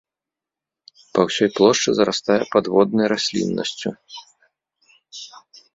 Па ўсёй плошчы зарастае падводнай расліннасцю.